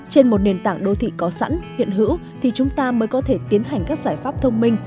trên một nền tảng đô thị có sẵn hiện hữu thì chúng ta mới có thể tiến hành các giải pháp thông minh